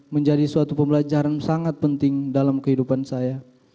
menjadi suatu pembelajaran sangat penting dalam kehidupan saya